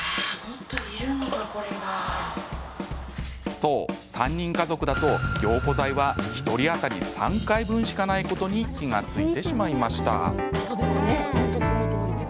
そう、３人家族だと凝固剤は１人当たり３回分しかないことに気が付いてしまいました。